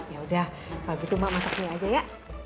yaudah kalo gitu mak masak mie aja ya